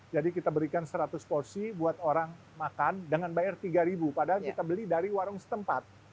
jadi kita berikan seratus porsi buat orang makan dengan bayar rp tiga padahal kita beli dari warung setempat